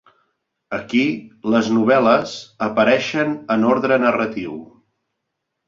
Aquí les novel·les apareixen en ordre narratiu.